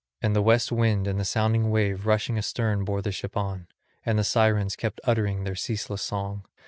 And the west wind and the sounding wave rushing astern bore the ship on; and the Sirens kept uttering their ceaseless song.